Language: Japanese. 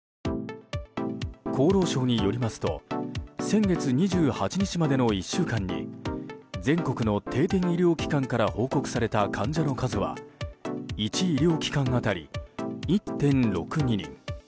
厚労省によりますと先月２８日までの１週間に全国の定点医療機関から報告された患者の数は１医療機関当たり１．６２。